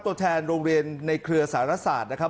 ตัวแทนโรงเรียนในเครือสารศาสตร์นะครับ